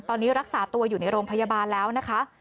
ตอนนี้รักษาตัวอยู่ในโรงพยาบาลแล้วนะคะ